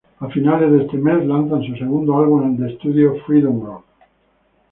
A finales de ese mes lanzan su segundo álbum de estudio, "Freedom Rock".